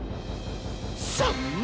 「３！